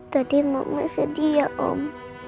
tadi mama sedih ya om